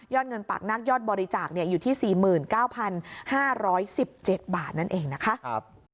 เงินปากนักยอดบริจาคอยู่ที่๔๙๕๑๗บาทนั่นเองนะคะ